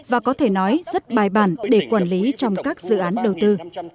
và có thể nói rất bài bản để quản lý trong các dự án đầu tư